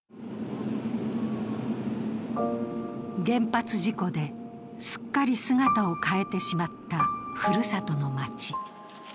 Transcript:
原発事故ですっかり姿を買えてしまった、ふるさとの町。